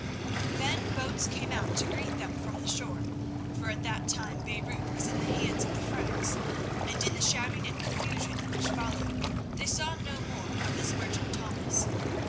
Then boats came out to greet them from the shore—for at that time Beirut was in the hands of the Franks—and in the shouting and confusion which followed they saw no more of this merchant Thomas.